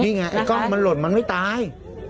นี่ไงไอ้กล้องมันหล่นมันไม่ตาย